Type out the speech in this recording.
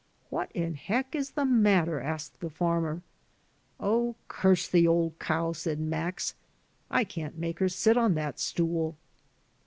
^What in heck is the matter? ' asked the farmer. ^ Oh, curse the old cow !' said Max, * I can't make her sit on that stool.'